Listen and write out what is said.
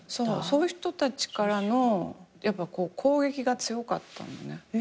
そういう人たちからの攻撃が強かったのね。